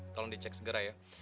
tolong dicek segera ya